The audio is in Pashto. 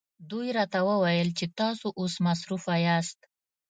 دوی راته وویل چې تاسو اوس مصروفه یاست.